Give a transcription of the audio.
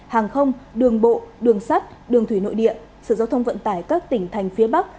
hàng không đường bộ đường sắt đường thủy nội địa sở giao thông vận tải các tỉnh thành phía bắc